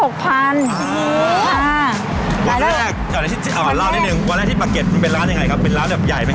ขายได้๖๐๐๐บาทอ๋ออ่าเล่านิดนึงวันแรกที่ปะเก็บมันเป็นร้านยังไงครับเป็นร้านแบบใหญ่ไหมฮะ